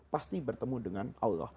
pasti bertemu dengan allah